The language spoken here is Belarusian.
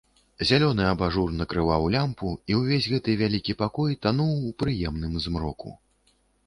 Зялёны абажур накрываў лямпу, і ўвесь гэты вялікі пакой тануў у прыемным змроку.